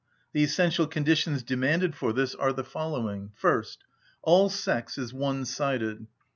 The essential conditions demanded for this are the following. First: all sex is one‐sided.